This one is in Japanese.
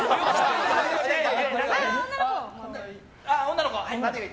女の子。